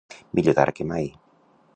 Millor tard que mai.